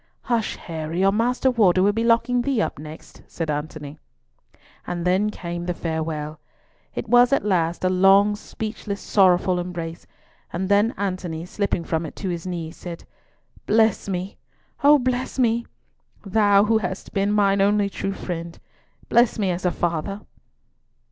"Hush, Harry, or Master Warder will be locking thee up next," said Antony. And then came the farewell. It was at last a long, speechless, sorrowful embrace; and then Antony, slipping from it to his knees, said—"Bless me! Oh bless me: thou who hast been mine only true friend. Bless me as a father!"